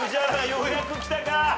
ようやくきたか。